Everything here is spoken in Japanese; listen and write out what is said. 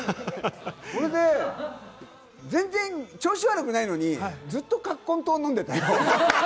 それで全然、調子悪くないのにずっと葛根湯を飲んでたよ。